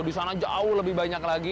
di sana jauh lebih banyak lagi